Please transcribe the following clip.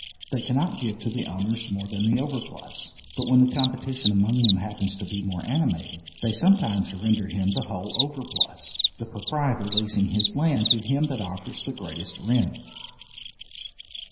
They cannot give to the owners more than the overplus. But when the competition among them happens to be more animated, they sometimes render him the whole overplus, the proprietor leasing his land to him that offers the greatest rent.